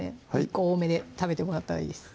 １個多めで食べてもらったらいいです